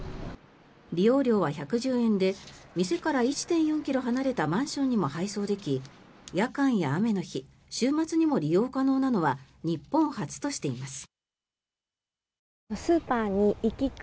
利用料は１１０円で店から１．４ｋｍ離れたマンションにも配送でき夜間や雨の日、週末にも利用可能なのは日本初としています。